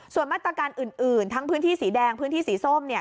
ส่วนมาตรการอื่นทั้งพื้นที่สีแดงพื้นที่สีส้มเนี่ย